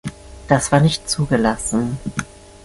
Das war nicht zugelassen.